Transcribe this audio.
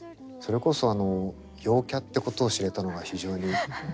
それこそ陽キャってことを知れたのが非常に。